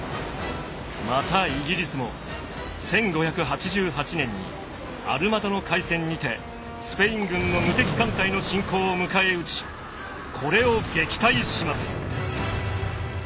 またイギリスも１５８８年にアルマダの海戦にてスペイン軍の無敵艦隊の侵攻を迎え撃ちこれを撃退します。